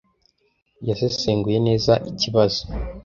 Yasesenguye neza ikibazo.